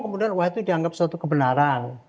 kemudian wah itu dianggap suatu kebenaran